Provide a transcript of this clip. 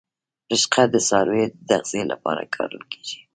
رشقه د څارویو د تغذیې لپاره کرل کیږي